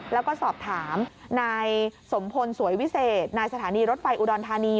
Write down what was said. แล้วก็สอบถามนายสมพลสวยวิเศษนายสถานีรถไฟอุดรธานี